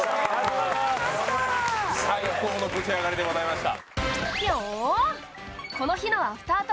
最高のブチ上がりでございました。